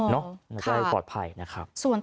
พอทธัยก็ปลอดภัยนะครับ